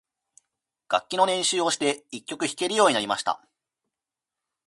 楽器の練習をして、一曲弾けるようになりました。